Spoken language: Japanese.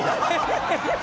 ハハハハ！